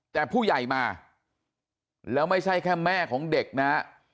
แต่ผู้ใหญ่มาแล้วไม่ใช่แค่แม่ของเด็กนะฮะ